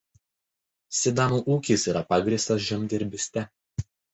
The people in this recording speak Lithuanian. Sidamų ūkis yra pagrįstas žemdirbyste.